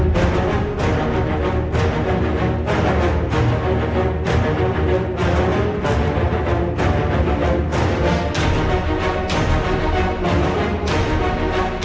เข้ากดฝากทางลงทุน